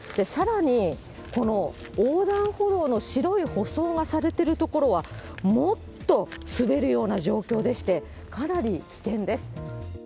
さらに、この横断歩道の白い舗装がされている所は、もっと滑るような状況でして、かなり危険です。